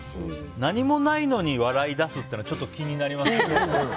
何もないのに笑い出すっていうのはちょっと気になりますけど。